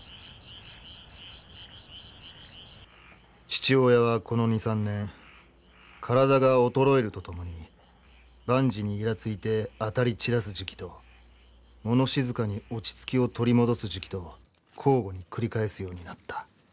「父親はこの二三年、身体がおとろえるとともに、万事にいらついて当たり散らす時期と、物静かにおちつきをとり戻す時期と、交互にくりかえすようになった。